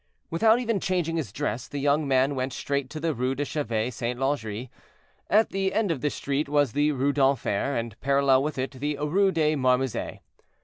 Without even changing his dress, the young man went straight to the Rue de Chevet Saint Laudry. At the end of this street was the Rue d'Enfer, and parallel with it the Rue des Marmouzets.